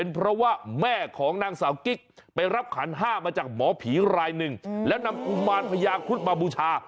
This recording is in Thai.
เพราะว่าแม่ของนางสาวกิ๊กไปรับขันห้ามาจากหมอผีรายหนึ่งแล้วนำกุมารพญาคุดมาบูชา